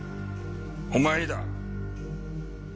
お前にだ！